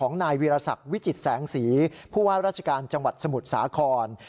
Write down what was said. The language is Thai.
นายวีรศักดิ์วิจิตแสงสีผู้ว่าราชการจังหวัดสมุทรสาคร